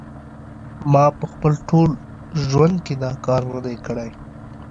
خو ما په خپل ټول ژوند کې دا کار نه دی کړی